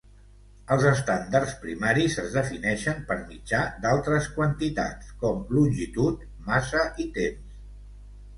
Els estàndards primaris es defineixen per mitjà d'altres quantitats, com longitud, massa i temps.